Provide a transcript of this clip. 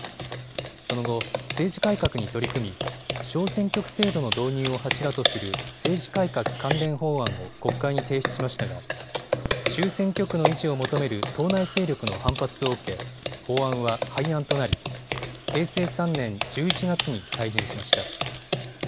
その後、政治改革に取り組み小選挙区制度の導入を柱とする政治改革関連法案を国会に提出しましたが中選挙区の維持を求める党内勢力の反発を受け法案は廃案となり平成３年１１月に退陣しました。